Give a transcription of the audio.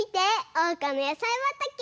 おうかのやさいばたけ！